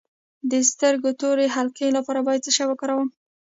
د سترګو د تورې حلقې لپاره باید څه شی وکاروم؟